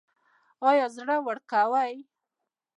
ایا زړه ورکوئ؟